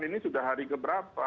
ini sudah hari keberapa